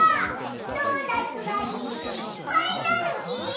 ドーナツがいっぱいなるき。